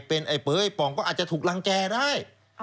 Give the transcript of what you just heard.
เป็นไอ้เป๋ยไอ้ป่องก็อาจจะถูกรังแก่ได้